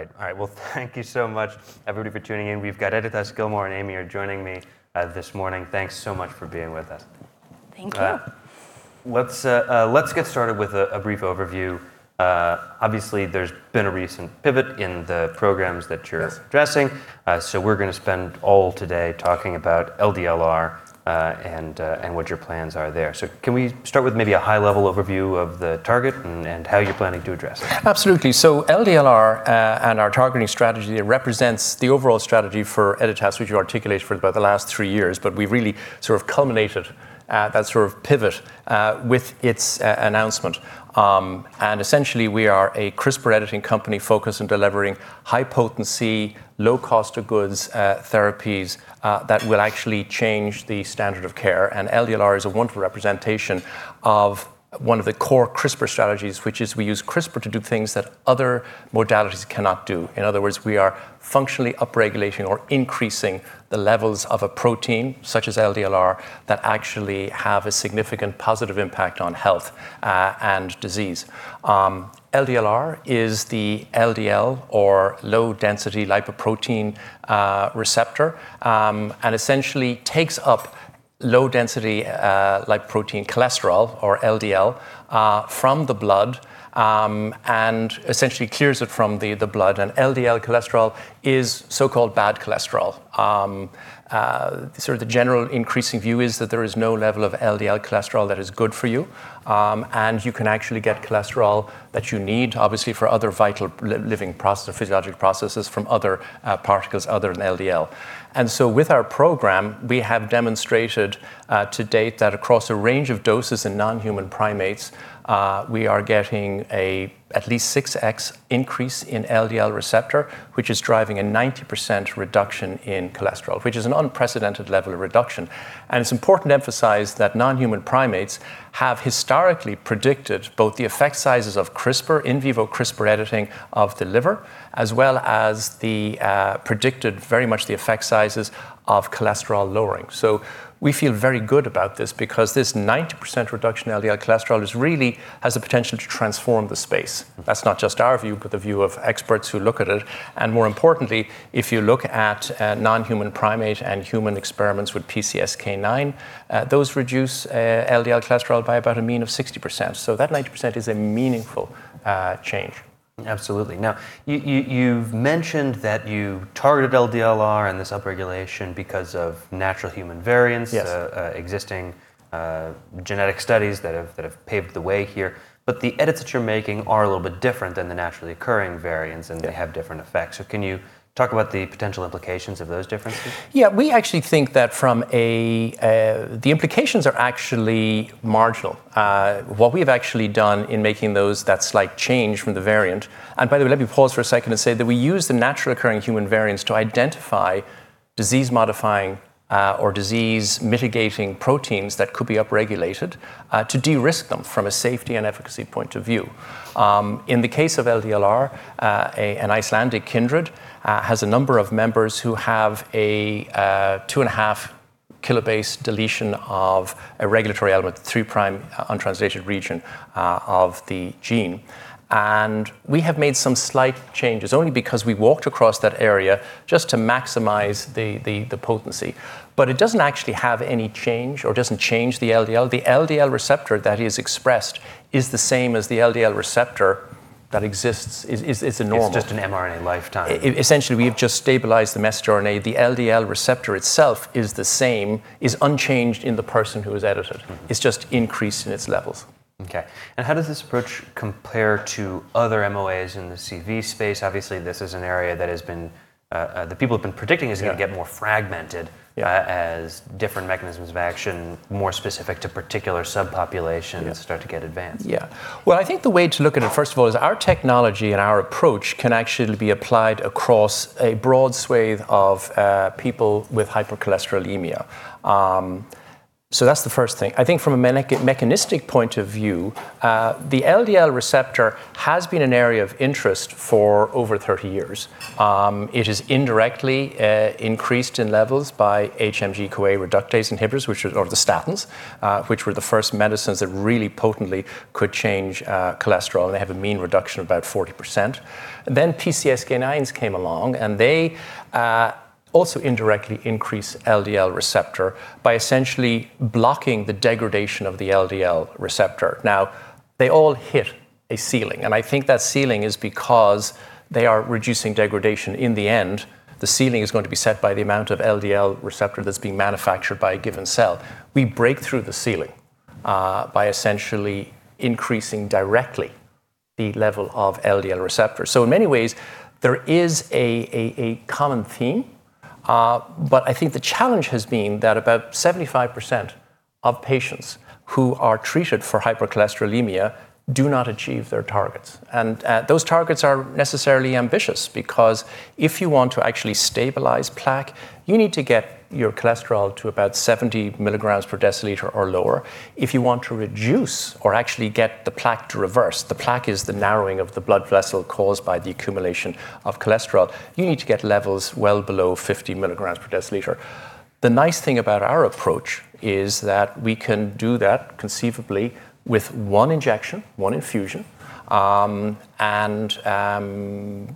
All right. All right. Thank you so much, everybody, for tuning in. We've got Editas, Gilmore, and Amy are joining me this morning. Thanks so much for being with us. Thank you. Let's get started with a brief overview. Obviously, there's been a recent pivot in the programs that you're addressing. We're going to spend all today talking about LDLR and what your plans are there. Can we start with maybe a high-level overview of the target and how you're planning to address it? Absolutely. LDLR and our targeting strategy represent the overall strategy for Editas, which we articulated for about the last three years. We really sort of culminated that sort of pivot with its announcement. Essentially, we are a CRISPR editing company focused on delivering high-potency, low-cost-of-goods therapies that will actually change the standard of care. LDLR is a wonderful representation of one of the core CRISPR strategies, which is we use CRISPR to do things that other modalities cannot do. In other words, we are functionally upregulating or increasing the levels of a protein such as LDLR that actually have a significant positive impact on health and disease. LDLR is the LDL or low-density lipoprotein receptor and essentially takes up low-density lipoprotein cholesterol or LDL from the blood and essentially clears it from the blood. LDL cholesterol is so-called bad cholesterol. Sort of the general increasing view is that there is no level of LDL cholesterol that is good for you. You can actually get cholesterol that you need, obviously, for other vital living processes, physiologic processes from other particles other than LDL. With our program, we have demonstrated to date that across a range of doses in non-human primates, we are getting an at least 6x increase in LDL receptor, which is driving a 90% reduction in cholesterol, which is an unprecedented level of reduction. It is important to emphasize that non-human primates have historically predicted both the effect sizes of CRISPR, in vivo CRISPR editing of the liver, as well as predicted very much the effect sizes of cholesterol lowering. We feel very good about this because this 90% reduction in LDL cholesterol really has the potential to transform the space. That's not just our view, but the view of experts who look at it. More importantly, if you look at non-human primates and human experiments with PCSK9, those reduce LDL cholesterol by about a mean of 60%. That 90% is a meaningful change. Absolutely. Now, you've mentioned that you targeted LDLR and this upregulation because of natural human variants, existing genetic studies that have paved the way here. The edits that you're making are a little bit different than the naturally occurring variants, and they have different effects. Can you talk about the potential implications of those differences? Yeah. We actually think that from a the implications are actually marginal. What we have actually done in making those that slight change from the variant and by the way, let me pause for a second and say that we use the natural occurring human variants to identify disease-modifying or disease-mitigating proteins that could be upregulated to de-risk them from a safety and efficacy point of view. In the case of LDLR, an Icelandic kindred has a number of members who have a 2.5 kb deletion of a regulatory element, 3' untranslated region of the gene. We have made some slight changes only because we walked across that area just to maximize the potency. It does not actually have any change or does not change the LDL. The LDL receptor that is expressed is the same as the LDL receptor that exists. It is a normal. It's just an mRNA lifetime. Essentially, we have just stabilized the messenger RNA. The LDL receptor itself is the same, is unchanged in the person who has edited. It's just increased in its levels. OK. How does this approach compare to other MOAs in the CV space? Obviously, this is an area that people have been predicting is going to get more fragmented as different mechanisms of action more specific to particular subpopulations start to get advanced. Yeah. I think the way to look at it, first of all, is our technology and our approach can actually be applied across a broad swathe of people with hypercholesterolemia. That is the first thing. I think from a mechanistic point of view, the LDL receptor has been an area of interest for over 30 years. It has indirectly increased in levels by HMG-CoA reductase inhibitors, which are the statins, which were the first medicines that really potently could change cholesterol. They have a mean reduction of about 40%. PCSK9s came along, and they also indirectly increase LDL receptor by essentially blocking the degradation of the LDL receptor. They all hit a ceiling. I think that ceiling is because they are reducing degradation. In the end, the ceiling is going to be set by the amount of LDL receptor that's being manufactured by a given cell. We break through the ceiling by essentially increasing directly the level of LDL receptor. In many ways, there is a common theme. I think the challenge has been that about 75% of patients who are treated for hypercholesterolemia do not achieve their targets. Those targets are necessarily ambitious because if you want to actually stabilize plaque, you need to get your cholesterol to about 70 mg/dL or lower. If you want to reduce or actually get the plaque to reverse—the plaque is the narrowing of the blood vessel caused by the accumulation of cholesterol—you need to get levels well below 50 mg/dL. The nice thing about our approach is that we can do that conceivably with one injection, one infusion, and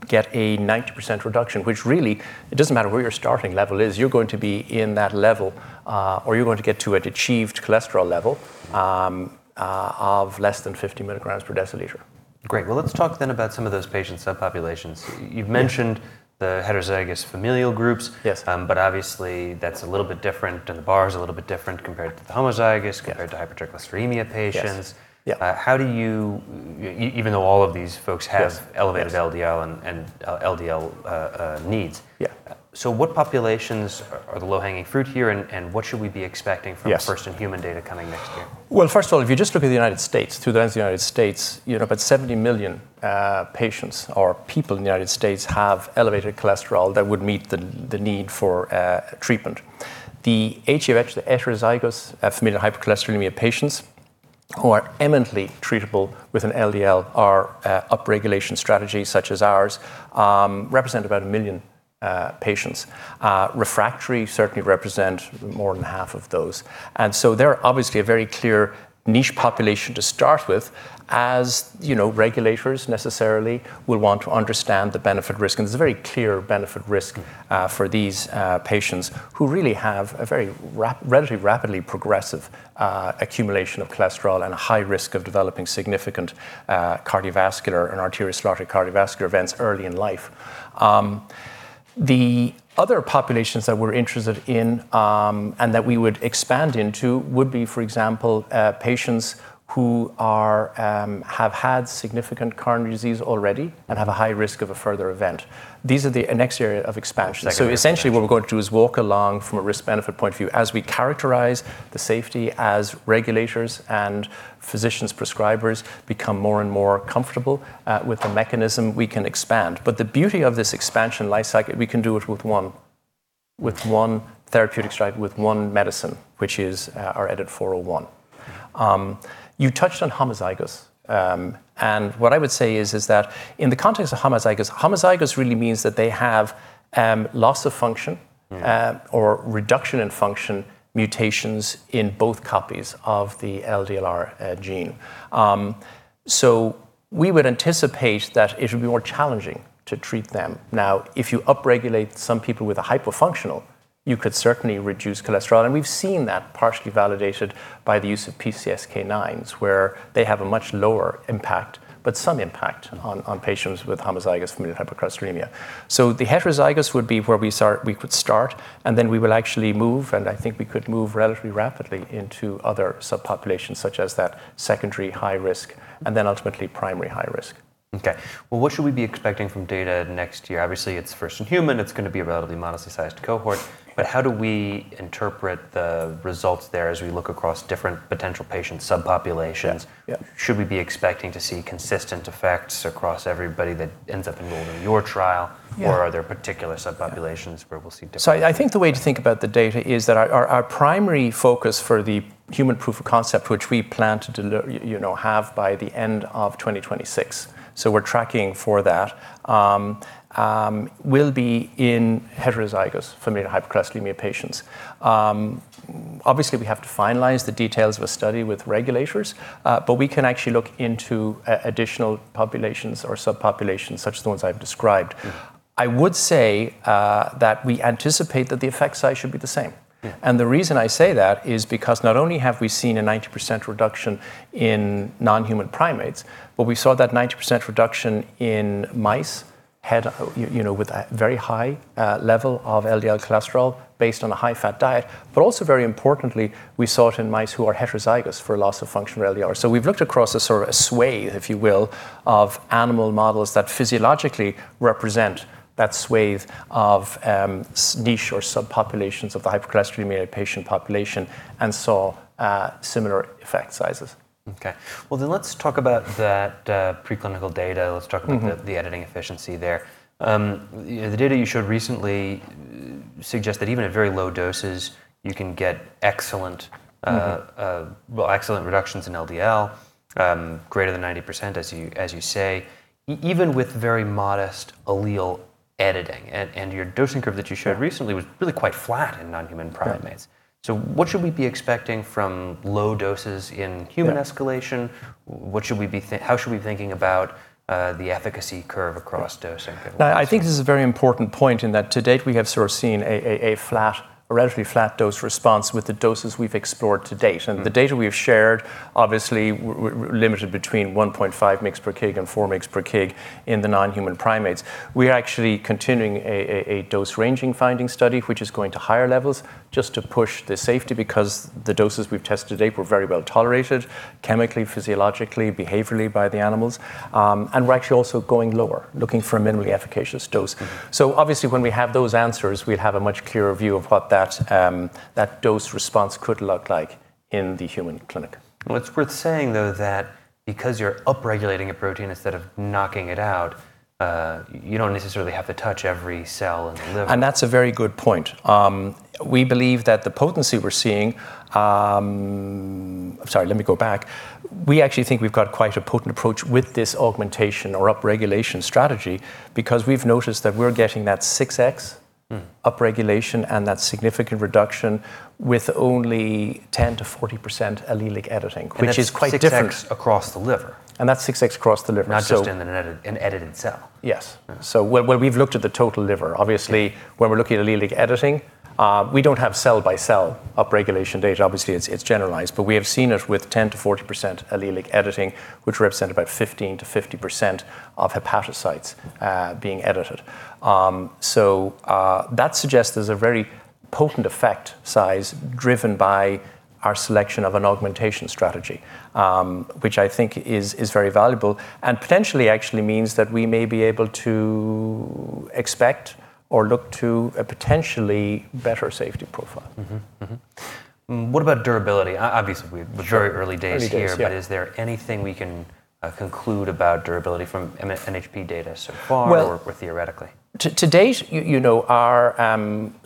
get a 90% reduction, which really it doesn't matter where your starting level is. You're going to be in that level, or you're going to get to an achieved cholesterol level of less than 50 mg/dL. Great. Let's talk then about some of those patient subpopulations. You've mentioned the heterozygous familial groups. Obviously, that's a little bit different, and the bar is a little bit different compared to the homozygous, compared to hypercholesterolemia patients. How do you, even though all of these folks have elevated LDL and LDL needs, so what populations are the low-hanging fruit here, and what should we be expecting from first-in-human data coming next year? If you just look at the United States, through the lens of the United States, you end up at 70 million patients or people in the United States have elevated cholesterol that would meet the need for treatment. The HeFH, the heterozygous familial hypercholesterolemia patients who are eminently treatable with an LDLR upregulation strategy such as ours represent about a million patients. Refractory certainly represent more than half of those. They are obviously a very clear niche population to start with, as regulators necessarily will want to understand the benefit-risk. There is a very clear benefit-risk for these patients who really have a very relatively rapidly progressive accumulation of cholesterol and a high risk of developing significant cardiovascular and arteriosclerotic cardiovascular events early in life. The other populations that we're interested in and that we would expand into would be, for example, patients who have had significant coronary disease already and have a high risk of a further event. These are the next area of expansion. Essentially, what we're going to do is walk along from a risk-benefit point of view as we characterize the safety as regulators and physicians prescribers become more and more comfortable with the mechanism, we can expand. The beauty of this expansion lifecycle, we can do it with one therapeutic strategy, with one medicine, which is our EDIT-401. You touched on homozygous. What I would say is that in the context of homozygous, homozygous really means that they have loss of function or reduction in function mutations in both copies of the LDLR gene. We would anticipate that it would be more challenging to treat them. Now, if you upregulate some people with a hypofunctional, you could certainly reduce cholesterol. And we've seen that partially validated by the use of PCSK9s, where they have a much lower impact, but some impact on patients with homozygous familial hypercholesterolemia. The heterozygous would be where we start, and then we will actually move, and I think we could move relatively rapidly into other subpopulations such as that secondary high risk and then ultimately primary high risk. OK. What should we be expecting from data next year? Obviously, it's first-in-human. It's going to be a relatively modestly sized cohort. How do we interpret the results there as we look across different potential patient subpopulations? Should we be expecting to see consistent effects across everybody that ends up enrolled in your trial, or are there particular subpopulations where we'll see different? I think the way to think about the data is that our primary focus for the human proof of concept, which we plan to have by the end of 2026, so we're tracking for that, will be in heterozygous familial hypercholesterolemia patients. Obviously, we have to finalize the details of a study with regulators. We can actually look into additional populations or subpopulations such as the ones I've described. I would say that we anticipate that the effect size should be the same. The reason I say that is because not only have we seen a 90% reduction in non-human primates, but we saw that 90% reduction in mice with a very high level of LDL cholesterol based on a high-fat diet. Also, very importantly, we saw it in mice who are heterozygous for loss of function of LDL. We've looked across a sort of a swathe, if you will, of animal models that physiologically represent that swathe of niche or subpopulations of the hypercholesterolemia patient population and saw similar effect sizes. OK. Let's talk about that preclinical data. Let's talk about the editing efficiency there. The data you showed recently suggests that even at very low doses, you can get excellent reductions in LDL, greater than 90%, as you say, even with very modest allele editing. Your dosing curve that you showed recently was really quite flat in non-human primates. What should we be expecting from low doses in human escalation? How should we be thinking about the efficacy curve across dosing? I think this is a very important point in that to date, we have sort of seen a relatively flat dose response with the doses we've explored to date. The data we have shared, obviously, limited between 1.5 mg/kg and 4 mg/kg in the non-human primates. We are actually continuing a dose ranging finding study, which is going to higher levels just to push the safety because the doses we've tested to date were very well tolerated chemically, physiologically, behaviorally by the animals. We are actually also going lower, looking for a minimally efficacious dose. Obviously, when we have those answers, we'd have a much clearer view of what that dose response could look like in the human clinic. It's worth saying, though, that because you're upregulating a protein instead of knocking it out, you don't necessarily have to touch every cell in the liver. That's a very good point. We believe that the potency we're seeing—sorry, let me go back. We actually think we've got quite a potent approach with this augmentation or upregulation strategy because we've noticed that we're getting that 6x upregulation and that significant reduction with only 10%-40% allelic editing. Which is quite different across the liver. That's 6x across the liver. Not just in an edited cell. Yes. We've looked at the total liver. Obviously, when we're looking at allelic editing, we don't have cell-by-cell upregulation data. Obviously, it's generalized. We have seen it with 10%-40% allelic editing, which represents about 15%-50% of hepatocytes being edited. That suggests there's a very potent effect size driven by our selection of an augmentation strategy, which I think is very valuable and potentially actually means that we may be able to expect or look to a potentially better safety profile. What about durability? Obviously, we're very early days here. Is there anything we can conclude about durability from NHP data so far or theoretically? To date,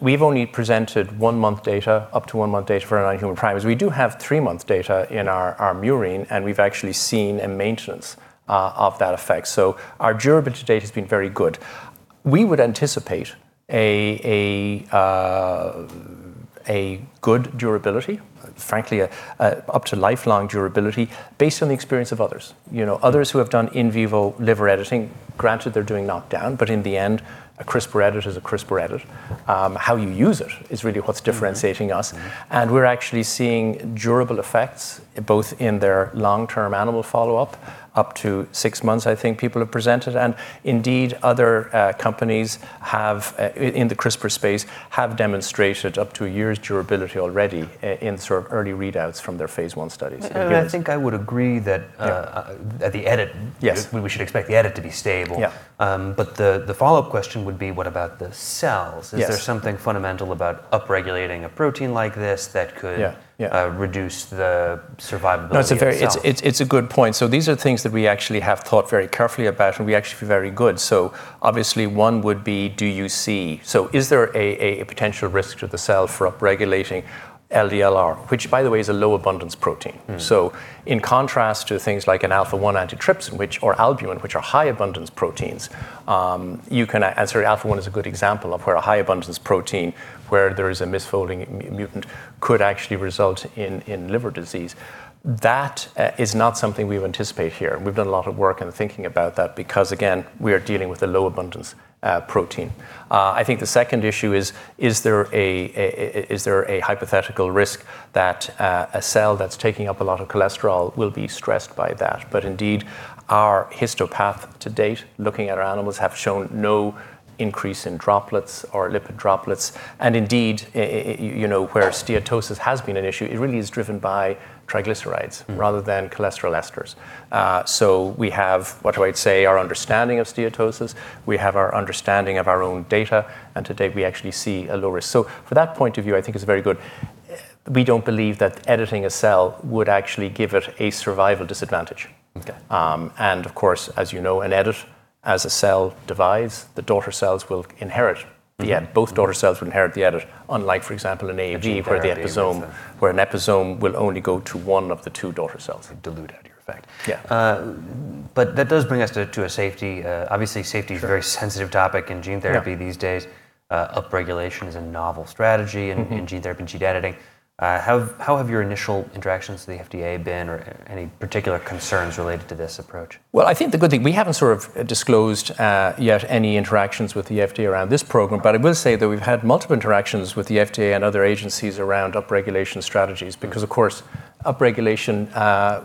we've only presented one-month data, up to one-month data for non-human primates. We do have three-month data in our murine, and we've actually seen a maintenance of that effect. Our durability data has been very good. We would anticipate a good durability, frankly, up to lifelong durability based on the experience of others. Others who have done in vivo liver editing, granted they're doing knockdown, but in the end, a CRISPR edit is a CRISPR edit. How you use it is really what's differentiating us. We're actually seeing durable effects both in their long-term animal follow-up, up to six months, I think people have presented. Indeed, other companies in the CRISPR space have demonstrated up to a year's durability already in sort of early readouts from their phase I studies. I think I would agree that the edit, we should expect the edit to be stable. The follow-up question would be, what about the cells? Is there something fundamental about upregulating a protein like this that could reduce the survivability? That's a very good point. These are things that we actually have thought very carefully about, and we actually feel very good. Obviously, one would be, do you see, is there a potential risk to the cell for upregulating LDLR, which, by the way, is a low-abundance protein? In contrast to things like an alpha-1 antitrypsin or albumin, which are high-abundance proteins, you can, and sorry, alpha-1 is a good example of where a high-abundance protein where there is a misfolding mutant could actually result in liver disease. That is not something we've anticipated here. We've done a lot of work in thinking about that because, again, we are dealing with a low-abundance protein. I think the second issue is, is there a hypothetical risk that a cell that's taking up a lot of cholesterol will be stressed by that? Indeed, our histopath to date, looking at our animals, have shown no increase in droplets or lipid droplets. Indeed, where steatosis has been an issue, it really is driven by triglycerides rather than cholesterol esters. We have, what do I say, our understanding of steatosis. We have our understanding of our own data. To date, we actually see a low risk. From that point of view, I think it's very good. We don't believe that editing a cell would actually give it a survival disadvantage. Of course, as you know, an edit as a cell divides, the daughter cells will inherit the edit. Both daughter cells will inherit the edit, unlike, for example, an AAV where the episome will only go to one of the two daughter cells. Dilute out your effect. That does bring us to a safety. Obviously, safety is a very sensitive topic in gene therapy these days. Upregulation is a novel strategy in gene therapy and gene editing. How have your initial interactions with the FDA been or any particular concerns related to this approach? I think the good thing is we have not sort of disclosed yet any interactions with the FDA around this program. I will say that we have had multiple interactions with the FDA and other agencies around upregulation strategies because, of course, upregulation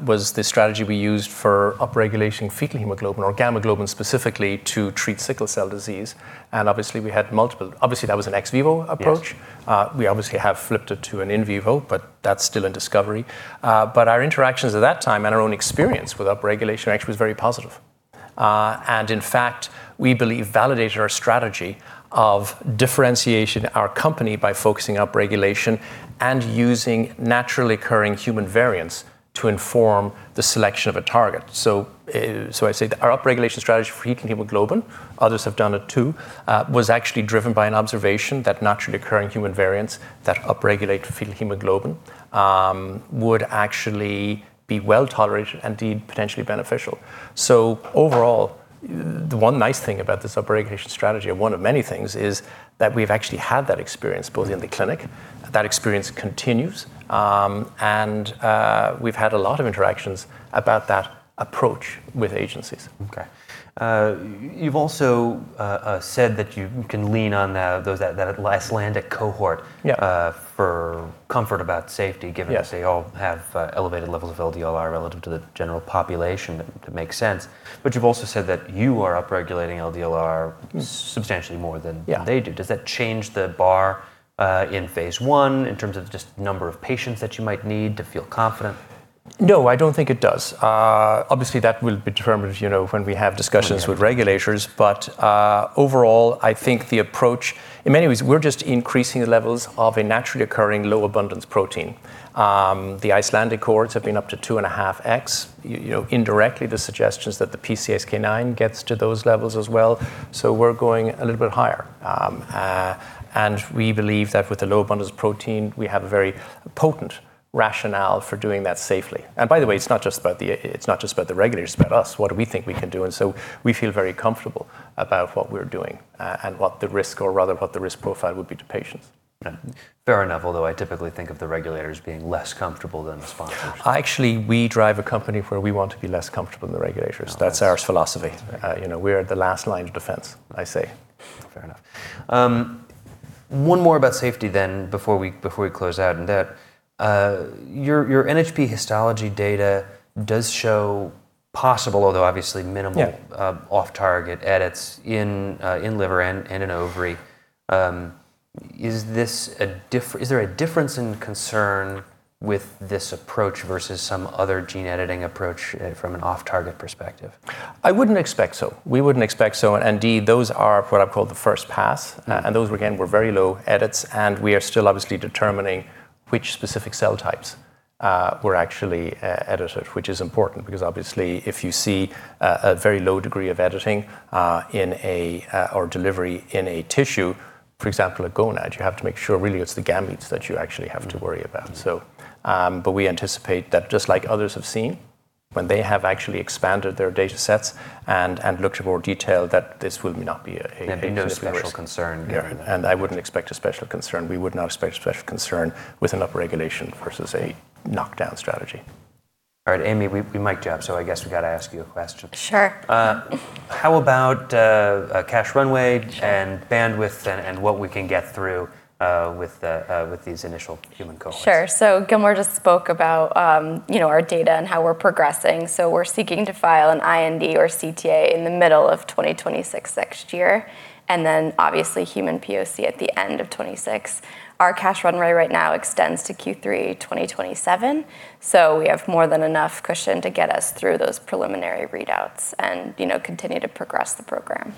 was the strategy we used for upregulating fetal hemoglobin or gamma globin specifically to treat sickle cell disease. Obviously, that was an ex vivo approach. We have flipped it to an in vivo, but that is still in discovery. Our interactions at that time and our own experience with upregulation actually was very positive. In fact, we believe it validated our strategy of differentiating our company by focusing on upregulation and using naturally occurring human variants to inform the selection of a target. I say that our upregulation strategy for fetal hemoglobin, others have done it too, was actually driven by an observation that naturally occurring human variants that upregulate fetal hemoglobin would actually be well tolerated and indeed potentially beneficial. Overall, the one nice thing about this upregulation strategy, or one of many things, is that we've actually had that experience both in the clinic. That experience continues. We've had a lot of interactions about that approach with agencies. OK. You've also said that you can lean on that Icelandic cohort for comfort about safety given that they all have elevated levels of LDLR relative to the general population. That makes sense. You've also said that you are upregulating LDLR substantially more than they do. Does that change the bar in phase I in terms of just number of patients that you might need to feel confident? No, I don't think it does. Obviously, that will be determined when we have discussions with regulators. Overall, I think the approach in many ways, we're just increasing the levels of a naturally occurring low-abundance protein. The Icelandic cohorts have been up to 2.5x. Indirectly, the suggestion is that the PCSK9 gets to those levels as well. We're going a little bit higher. We believe that with the low-abundance protein, we have a very potent rationale for doing that safely. By the way, it's not just about the regulators. It's about us, what do we think we can do. We feel very comfortable about what we're doing and what the risk, or rather what the risk profile would be to patients. Fair enough, although I typically think of the regulators being less comfortable than the sponsors. Actually, we drive a company where we want to be less comfortable than the regulators. That's our philosophy. We're the last line of defense, I say. Fair enough. One more about safety then before we close out in depth. Your NHP histology data does show possible, although obviously minimal, off-target edits in liver and in ovary. Is there a difference in concern with this approach versus some other gene editing approach from an off-target perspective? I wouldn't expect so. We wouldn't expect so. Indeed, those are what I've called the first pass. Those, again, were very low edits. We are still obviously determining which specific cell types were actually edited, which is important because obviously, if you see a very low degree of editing or delivery in a tissue, for example, a gonad, you have to make sure really it's the gametes that you actually have to worry about. We anticipate that just like others have seen, when they have actually expanded their data sets and looked at more detail, this will not be a new special concern. I wouldn't expect a special concern. We would not expect a special concern with an upregulation versus a knockdown strategy. All right, Amy, we might jump. I guess we've got to ask you a question. Sure. How about cash runway and bandwidth and what we can get through with these initial human cohorts? Sure. Gilmore just spoke about our data and how we're progressing. We're seeking to file an IND or CTA in the middle of 2026 next year, and then obviously human PoC at the end of 2026. Our cash runway right now extends to Q3 2027. We have more than enough cushion to get us through those preliminary readouts and continue to progress the program.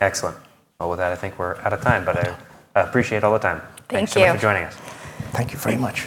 Excellent. With that, I think we're out of time. I appreciate all the time. Thank you. Thank you for joining us. Thank you very much.